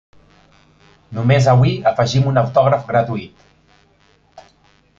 Només avui afegim un autògraf gratuït!